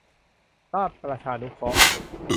ราชประชานุเคราะห์